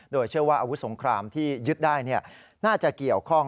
โดยเชื่อว่าอาวุธสงครามที่ยึดได้น่าจะเกี่ยวข้อง